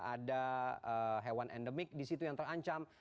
ada hewan endemik di situ yang terancam